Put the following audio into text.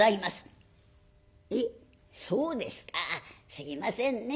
すいませんね。